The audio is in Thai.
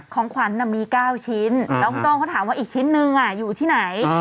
ของขวัญมี๙ชิ้นแล้วคุณกล้องเขาถามว่าอีกชิ้นนึงอยู่ที่ไหน